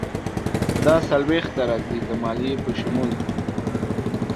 دا څلویښت ته راځي، د مالیې په شمول.